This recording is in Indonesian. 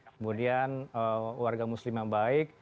kemudian warga muslim yang baik